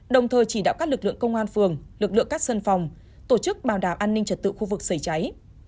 đồng thời chỉ đạo các lực lượng công an phường lực lượng các sân phòng tổ chức bảo đảm an ninh trật tự khu vực xảy cháy